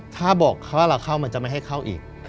ถ้าบอกเขาว่าเราเข้ามันจะไม่ให้เข้าอีก